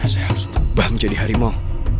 saya harus ubah menjadi harimau